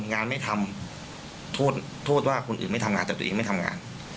งานไม่ทำโทษว่าคนอื่นไม่ทำงานแต่ตัวเองไม่ทำงาน